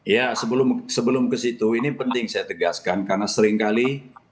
ya sebelum ke situ ini penting saya tegaskan karena seringkali